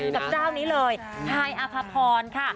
กับเจ้านี้เลยฮายอภพรค่ะ